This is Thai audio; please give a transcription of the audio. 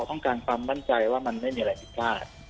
ต้องการความมั่นใจว่ามันไม่มีอะไรผิดพลาด